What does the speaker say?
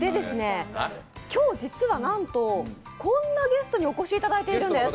今日、実はなんとこんなゲストにお越しいただいているんです。